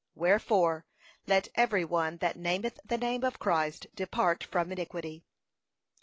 'Wherefore, let every one that nameth the name of Christ depart from iniquity.'